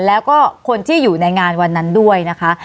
แล้วก็คนที่อยู่ในงานวันนั้นด้วยนะคะ